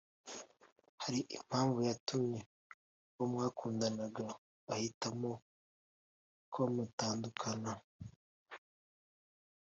Hari impamvu yatumye uwo mwakundanaga ahitamo ko mutandukana